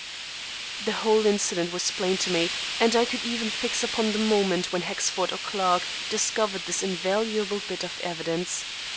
The whole incident was plain to me, and I could even fix upon the moment when Hexford or Clarke discovered this invaluable bit of evidence.